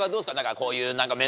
こういう。